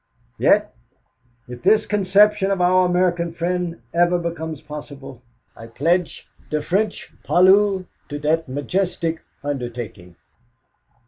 Yet, if this conception of our American friend ever becomes possible, I pledge the French poilu to that majestic undertaking.'